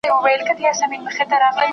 د اسلام دین د مساوات دین دی.